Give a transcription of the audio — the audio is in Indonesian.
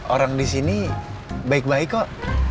orang di sini baik baik kok